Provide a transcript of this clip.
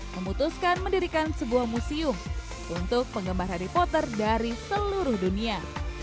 memutuskan mendirikan sebuah museum untuk penggemar harry potter dari seluruh dunia